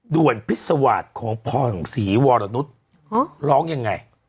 ด่วนพิศวาฒณ์ของพรสีวรณุนร้องยังไง